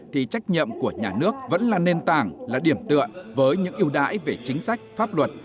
thì trách nhiệm của nhà nước vẫn là nền tảng là điểm tượng với những yêu đãi về chính sách pháp luật